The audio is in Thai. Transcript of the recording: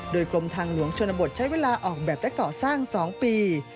โดยกรมทางหลวงชนบทใช้เวลาออกแบบและก่อสร้าง๒ปี